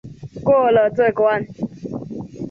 过了这关